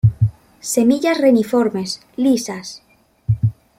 Semillas reniformes, lisas.